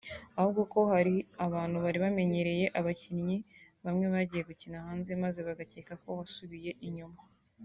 ahubwo ko hari abantu bari bamenyereye abakinnyi bamwe bagiye gukina hanze maze bagakeka ko wasubiye inyuma